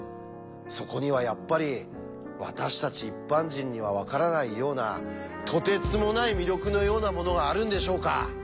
そこにはやっぱり私たち一般人には分からないようなとてつもない魅力のようなものがあるんでしょうか？